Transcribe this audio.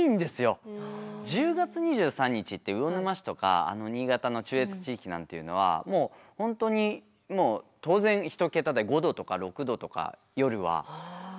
１０月２３日って魚沼市とか新潟の中越地域なんていうのはもう本当に当然１桁台５度とか６度とか夜は。